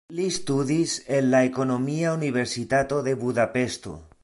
Li studis en la Ekonomia Universitato de Budapeŝto.